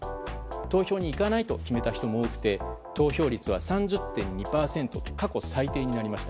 投票に行かないと決めた人も多くて投票率は３０．２％と過去最低になりました。